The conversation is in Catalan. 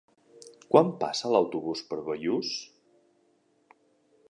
Quan passa l'autobús per Bellús?